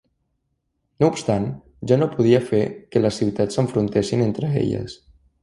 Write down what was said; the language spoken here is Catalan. No obstant ja no podia fer que les ciutats s'enfrontessin entre elles.